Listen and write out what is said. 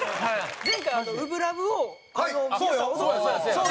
前回『初心ＬＯＶＥ』を皆さん踊ってもらって。